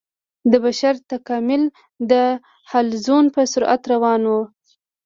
د بشر تکامل د حلزون په سرعت روان و.